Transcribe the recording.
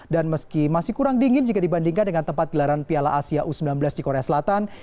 dan meski masih kurang dingin jika dibandingkan dengan tempat gelaran piala asia u sembilan belas di korea selatan